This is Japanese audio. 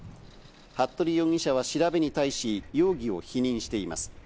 服部容疑者は調べに対し容疑を否認しています。